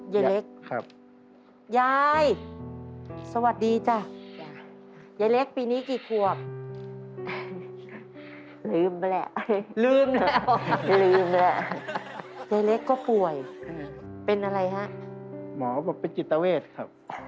ยายเล็กครับยายเล็กครับ